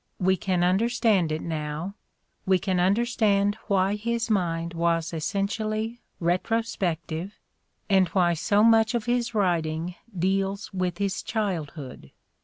We can understand it now; we can understand why his mind was essentially retro spective and why so much of his writing deals with his childhood.